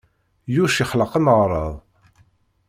Yuc yexleq ameɣrad.